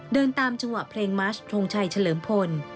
เดินตามจังหวะเพลงมัชทงชัยเฉลิมพล